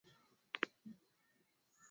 zama hizo zinakadiliwa kuishi miaka laki tatu